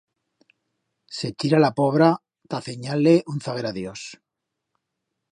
Se chira la pobra ta cenyar-le un zaguer adios.